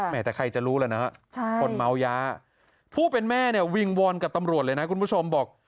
แต่ใครจะรู้แล้วนะฮะคนเมายาผู้เป็นแม่เนี่ยวิงวอนกับตำรวจเลยนะคุณผู้ชมบอก